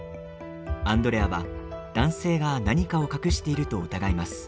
アンドレアは、男性が何かを隠していると疑います。